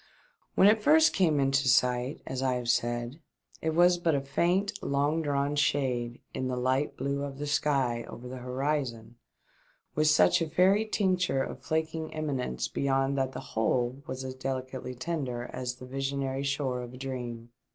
When it first came into sight, as I have said, it was but a faint, long drawn shade in the light blue of the sky over the horizon, with such a WE BRING UP IN A BAV. 455 fairy tincture of flanking eminence beyond that the whole was as delicately tender as the visionary shore of a dream.